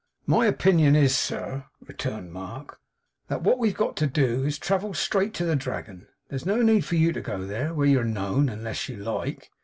'My opinion is, sir,' returned Mark, 'that what we've got to do is to travel straight to the Dragon. There's no need for you to go there, where you're known, unless you like.